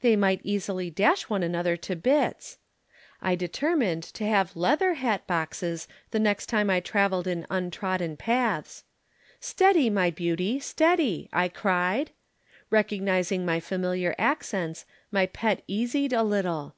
They might easily dash one another to bits. I determined to have leather hat boxes the next time I travelled in untrodden paths. "Steady, my beauty, steady!" I cried. Recognizing my familiar accents, my pet easied a little.